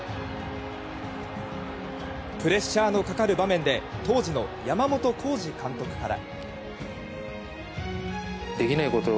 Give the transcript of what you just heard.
プレッシャーのかかる場面で当時の山本浩二監督から。